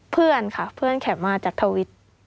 เพื่อนค่ะเพื่อนแขกมาจากทวิต